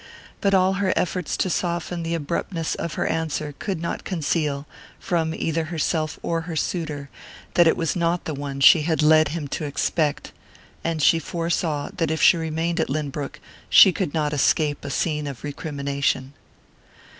But all her efforts to soften the abruptness of her answer could not conceal, from either herself or her suitor, that it was not the one she had led him to expect; and she foresaw that if she remained at Lynbrook she could not escape a scene of recrimination.